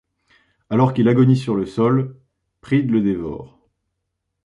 Alors qu'il agonise sur le sol, Pride le dévore.